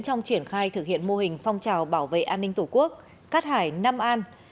trong triển khai thực hiện mô hình phong trào bảo vệ an ninh tổ quốc cát hải nam an